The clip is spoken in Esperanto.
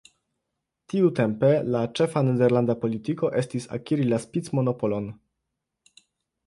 Tiutempe la ĉefa nederlanda politiko estis akiri la spicmonopolon.